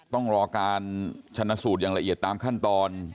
ต้องรอการชนะสูตรอย่างละเอียดตามขั้นตอน